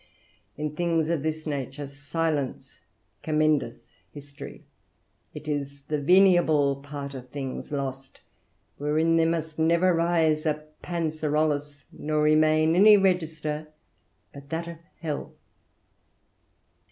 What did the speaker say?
In things of this nature silence commendeth history: 'tis the veniable part of things lost; wherein there must never rise a Pancirollus, nor remain any register but that of hell.